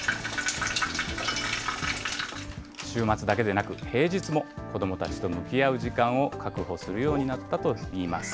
週末だけでなく平日も、子どもたちと向き合う時間を確保するようになったといいます。